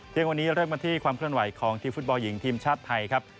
เที่ยงวันนี้เริ่มกันที่ความเคลื่อนไหวของทีมฟุตบอลหญิงทีมชาติไทยครับ